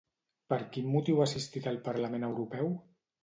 Per quin motiu ha assistit al Parlament Europeu?